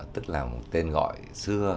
tức là một tên gọi xưa